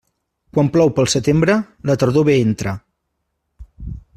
Quan plou pel setembre, la tardor bé entra.